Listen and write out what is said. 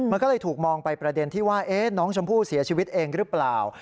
มันก็เลยถูกมองไปประเด็นที่ว่าน้องชมพู่เสียชีวิตเองหรือเปล่า